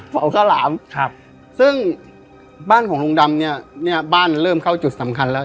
เผาข้าวหลามครับซึ่งบ้านของลุงดำเนี้ยเนี้ยบ้านเริ่มเข้าจุดสำคัญแล้ว